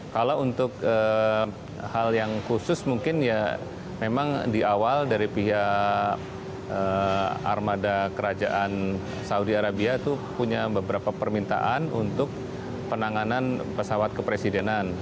kalau untuk hal yang khusus mungkin ya memang di awal dari pihak armada kerajaan saudi arabia itu punya beberapa permintaan untuk penanganan pesawat kepresidenan